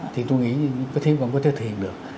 thì tôi nghĩ có thể thực hiện được